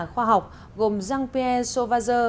khoa học gồm jean pierre sauvageur